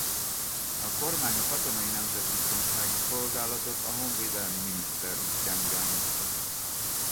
A kormány a Katonai Nemzetbiztonsági Szolgálatot a honvédelmi miniszter útján irányítja.